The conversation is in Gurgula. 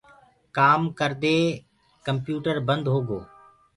ڪآمو ڪردي ڪمپيوٽر بند هوگو۔